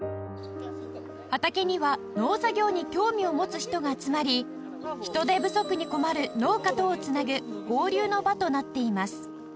畑には農作業に興味を持つ人が集まり人手不足に困る農家とをつなぐ交流の場となっています